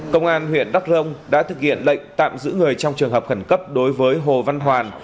công an huyện đắk rông đã thực hiện lệnh tạm giữ người trong trường hợp khẩn cấp đối với hồ văn hoàn